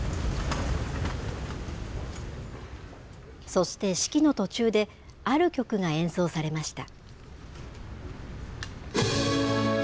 そして式の途中で、ある曲が演奏されました。